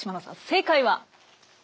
正解は？